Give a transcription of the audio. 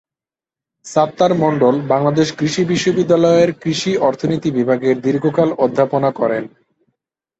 সাত্তার মণ্ডল বাংলাদেশ কৃষি বিশ্ববিদ্যালয়ের কৃষি অর্থনীতি বিভাগে দীর্ঘকাল অধ্যাপনা করেন।